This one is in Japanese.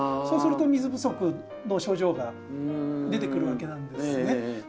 そうすると水不足の症状が出てくるわけなんですね。